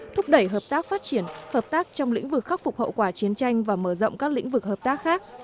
thúc đẩy hợp tác phát triển hợp tác trong lĩnh vực khắc phục hậu quả chiến tranh và mở rộng các lĩnh vực hợp tác khác